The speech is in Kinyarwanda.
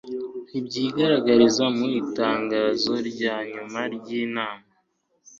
ntibyigaragariza mu itangazo rya nyuma ry'inama